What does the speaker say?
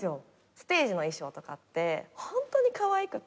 ステージの衣装とかってホントにかわいくて。